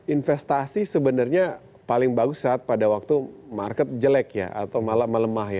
investasi sebenarnya paling bagus saat pada waktu market jelek ya atau malah melemah ya